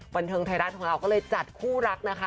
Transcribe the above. บันเทิงไทยรัฐของเราก็เลยจัดคู่รักนะคะ